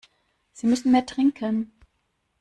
Sie müssen mehr trinken.